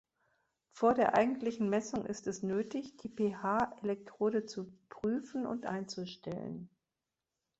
Vor der eigentlichen Messung ist es nötig, die pH-Elektrode zu prüfen und einzustellen.